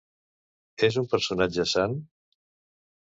És un personatge sant?